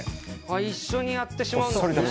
一緒にやってしまうのね。